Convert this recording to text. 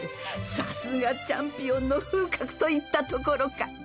さすがチャンピオンの風格といったところか。